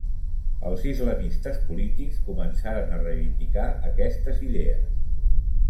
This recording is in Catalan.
Els islamistes polítics començaren a reivindicar aquestes idees.